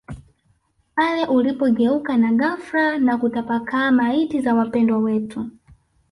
pale ulipogeuka na ghafla na kutapakaa Maiti za wapendwa wetu